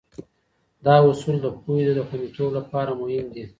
دا اصول د پوهې د خونديتوب لپاره مهم دي.